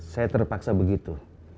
saya terpaksa begitu